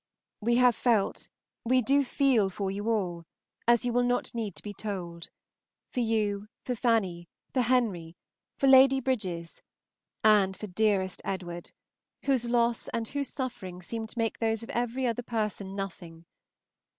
We have felt, we do feel, for you all, as you will not need to be told, for you, for Fanny, for Henry, for Lady Bridges, and for dearest Edward, whose loss and whose sufferings seem to make those of every other person nothing.